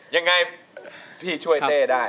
ยังไงพี่ช่วยเต้ได้